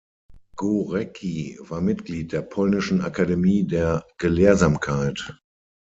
Górecki war Mitglied der polnischen Akademie der Gelehrsamkeit.